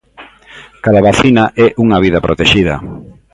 Cada vacina é unha vida protexida.